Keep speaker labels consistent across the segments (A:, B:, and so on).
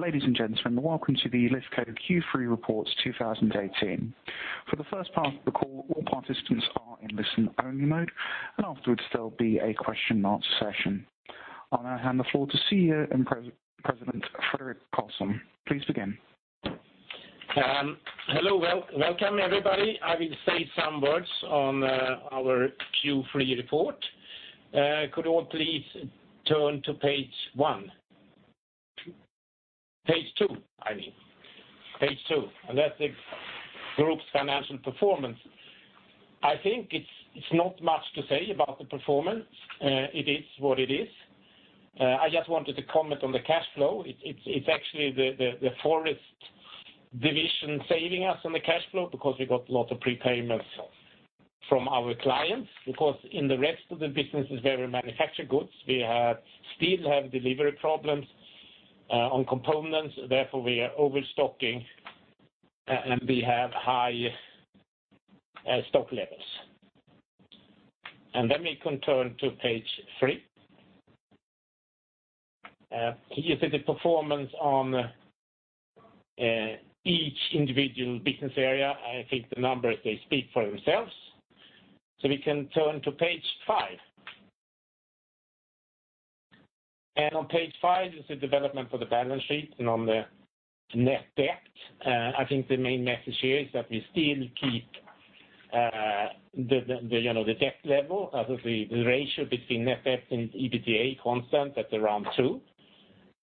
A: Ladies and gentlemen, welcome to the Lifco Q3 reports 2018. For the first part of the call, all participants are in listen-only mode. Afterwards, there'll be a question and answer session. I'll now hand the floor to CEO and President, Fredrik Karlsson. Please begin.
B: Hello. Welcome, everybody. I will say some words on our Q3 report. Could all please turn to page one? Page two, I mean. Page two. That's the group's financial performance. I think it's not much to say about the performance. It is what it is. I just wanted to comment on the cash flow. It's actually the forest division saving us on the cash flow because we got lots of prepayments from our clients. In the rest of the businesses where we manufacture goods, we still have delivery problems on components. Therefore, we are overstocking, and we have high stock levels. Let me turn to page three. Here you see the performance on each individual business area. I think the numbers, they speak for themselves. We can turn to page five. On page five is the development for the balance sheet and on the net debt. I think the main message here is that we still keep the debt level. The ratio between net debt and EBITDA constant at around two.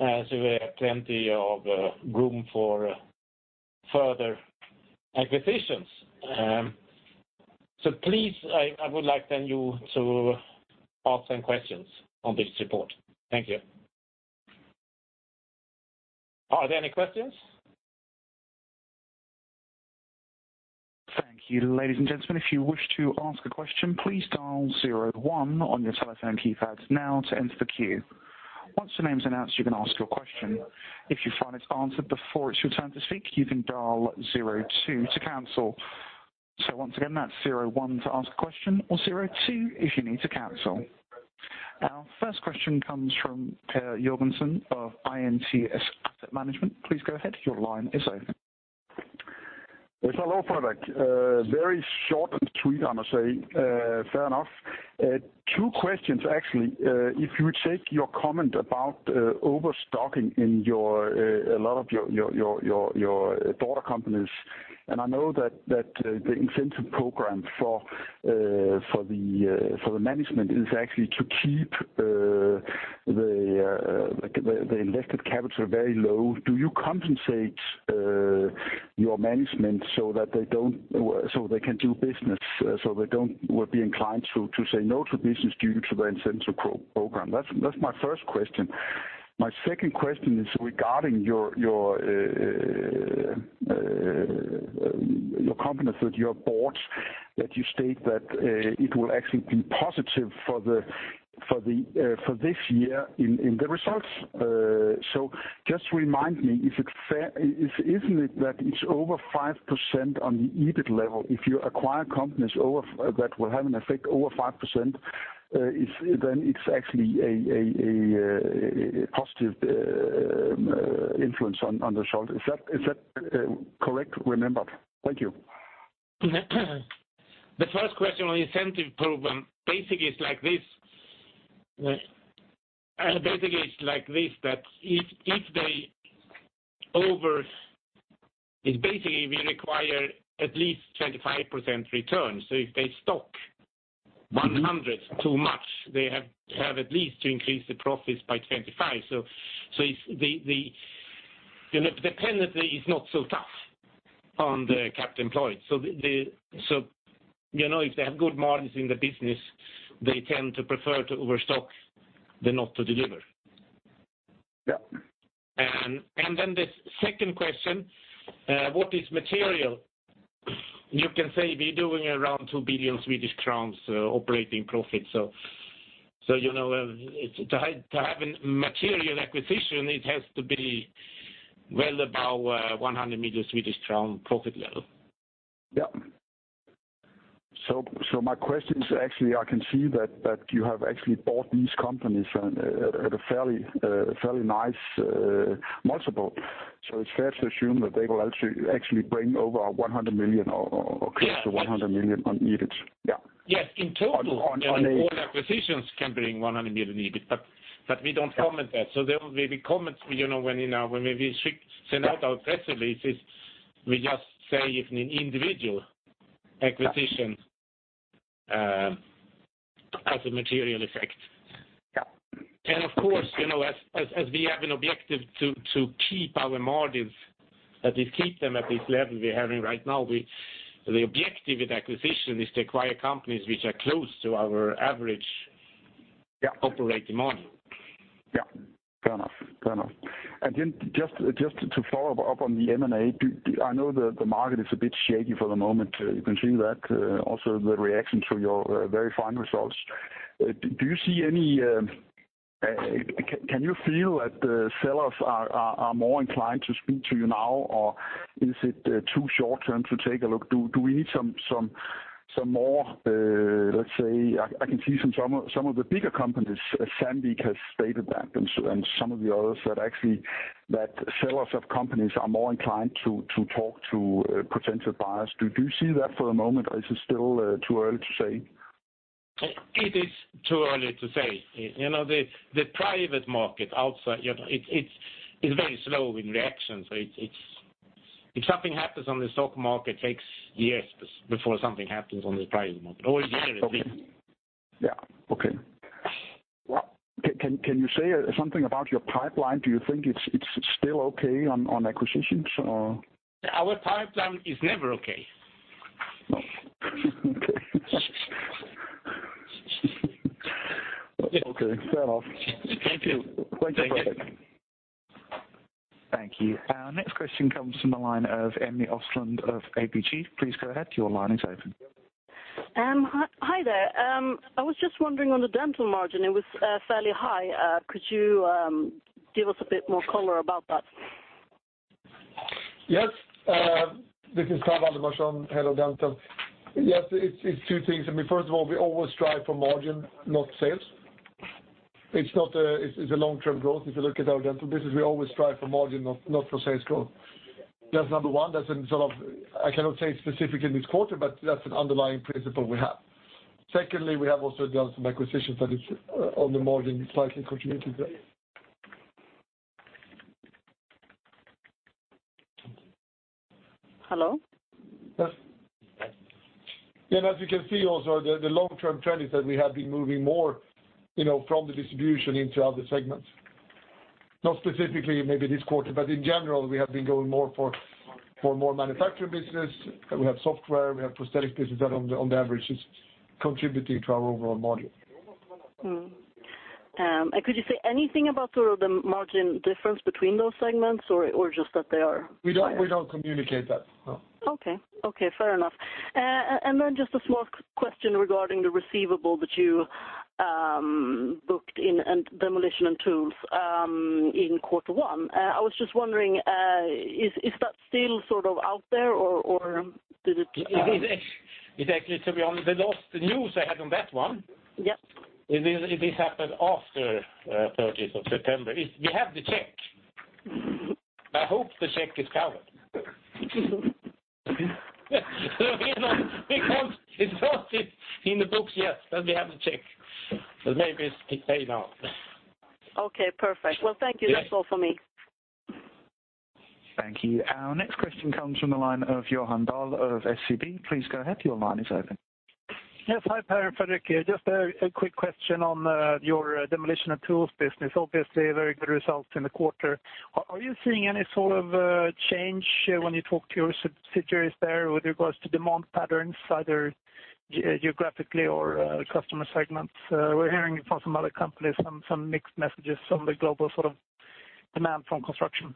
B: We have plenty of room for further acquisitions. Please, I would like then you to ask some questions on this report. Thank you. Are there any questions?
A: Thank you. Ladies and gentlemen, if you wish to ask a question, please dial 01 on your telephone keypads now to enter the queue. Once your name's announced, you can ask your question. If you find it's answered before it's your turn to speak, you can dial 02 to cancel. Once again, that's 01 to ask a question or 02 if you need to cancel. Our first question comes from Per Jørgensen of IMTS Asset Management. Please go ahead. Your line is open.
C: Hello, Fredrik. Very short and sweet, I must say. Fair enough. Two questions, actually. If you take your comment about overstocking in a lot of your daughter companies, and I know that the incentive program for the management is actually to keep the invested capital very low. Do you compensate your management so they don't would be inclined to say no to business due to the incentive program? That's my first question. My second question is regarding your companies that you have bought, that you state that it will actually be positive for this year in the results. Just remind me, isn't it that it's over 5% on the EBIT level? If you acquire companies that will have an effect over 5%, then it's actually a positive influence on the share. Is that correct remembered? Thank you.
B: The first question on the incentive program, basically it's like this, that it's basically, we require at least 25% return. If they stock 100 too much, they have at least to increase the profits by 25. The penalty is not so tough on the capital employed. If they have good margins in the business, they tend to prefer to overstock than not to deliver.
C: Yeah.
B: The second question, what is material? You can say we're doing around 2 billion Swedish kronor operating profit. To have a material acquisition, it has to be well above 100 million Swedish kronor profit level.
C: Yeah. My question is actually, I can see that you have actually bought these companies at a fairly nice multiple. It's fair to assume that they will actually bring over 100 million or close to 100 million on EBIT. Yeah.
B: Yes, in total.
C: On a-
B: all acquisitions can bring 100 million EBIT, we don't comment that. There will be comments when maybe we send out our press releases, we just say if an individual acquisition has a material effect.
C: Yeah.
B: Of course, as we have an objective to keep our margins, at least keep them at this level we're having right now. The objective with acquisition is to acquire companies which are close to our average operating margin.
C: Yeah. Fair enough. Just to follow up on the M&A, I know the market is a bit shaky for the moment. You can see that also the reaction to your very fine results. Can you feel that the sellers are more inclined to speak to you now? Is it too short-term to take a look? Do we need some more, let's say, I can see some of the bigger companies, Sandvik has stated that, and some of the others, that sellers of companies are more inclined to talk to potential buyers. Do you see that for a moment or is it still too early to say?
B: It is too early to say. The private market is very slow in reaction. If something happens on the stock market, it takes years before something happens on the private market, or it never happens.
C: Okay. Can you say something about your pipeline? Do you think it's still okay on acquisitions or?
B: Our pipeline is never okay.
C: Okay. Fair enough.
B: Thank you.
C: Thank you.
A: Thank you. Our next question comes from the line of Emmy Östlund of ABG. Please go ahead. Your line is open.
D: Hi there. I was just wondering on the Dental margin, it was fairly high. Could you give us a bit more color about that?
E: Yes. This is Per Waldemarson, Head of Dental. Yes, it's two things. I mean, first of all, we always strive for margin, not sales. It's a long-term growth. If you look at our Dental business, we always strive for margin, not for sales growth. That's number one. I cannot say specifically this quarter, but that's an underlying principle we have. Secondly, we have also done some acquisitions that on the margin slightly contributed there.
D: Hello?
E: Yes. As you can see also, the long-term trend is that we have been moving more from the distribution into other segments. Not specifically maybe this quarter, but in general, we have been going more for more manufacturing business. We have software, we have prosthetic business that on the average is contributing to our overall margin.
D: Could you say anything about the margin difference between those segments or just that they are?
E: We don't communicate that, no.
D: Okay. Fair enough. Just a small question regarding the receivable that you booked in Demolition & Tools in quarter one. I was just wondering, is that still out there, or did it-
B: Exactly. To be honest, the last news I had on that one-
D: Yes
B: This happened after 30th of September. We have the check. I hope the check is covered. It's not in the books yet, but we have the check, so maybe it's paid now.
D: Okay, perfect. Well, thank you. That's all for me.
A: Thank you. Our next question comes from the line of Johan Dahl of SEB. Please go ahead. Your line is open.
F: Yes. Hi, Per and Fredrik. Just a quick question on your Demolition & Tools business. Obviously, very good results in the quarter. Are you seeing any sort of change when you talk to your subsidiaries there with regards to demand patterns, either geographically or customer segments? We're hearing from some other companies some mixed messages on the global demand from construction.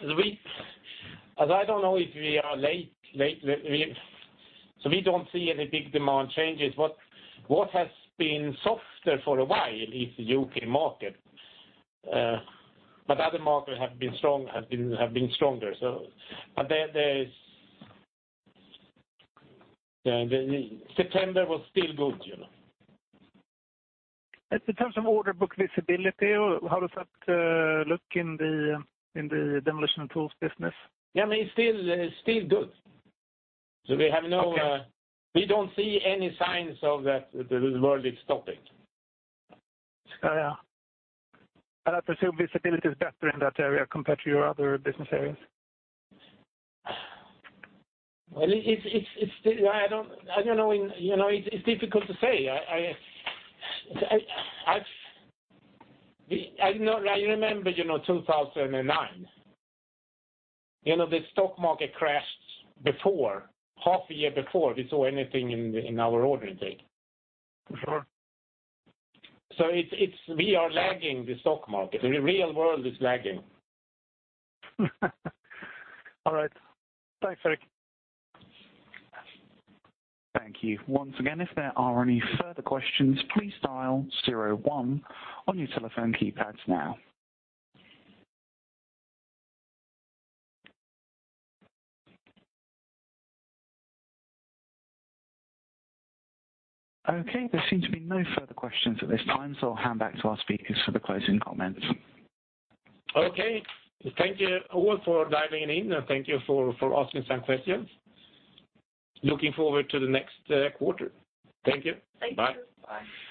B: I don't know if we are late. We don't see any big demand changes. What has been softer for a while is the U.K. market. Other markets have been stronger. September was still good.
F: In terms of order book visibility, how does that look in the Demolition & Tools business?
B: It's still good. We have
F: Okay
B: we don't see any signs of that the world is stopping.
F: Yeah. I presume visibility is better in that area compared to your other business areas?
B: It's difficult to say. I remember 2009. The stock market crashed before, half a year before we saw anything in our order intake.
F: Sure.
B: We are lagging the stock market. The real world is lagging.
F: All right. Thanks, Fredrik.
A: Thank you. Once again, if there are any further questions, please dial zero one on your telephone keypads now. There seem to be no further questions at this time, so I'll hand back to our speakers for the closing comments.
B: Okay. Thank you all for dialing in and thank you for asking some questions. Looking forward to the next quarter. Thank you. Bye.
D: Thank you. Bye.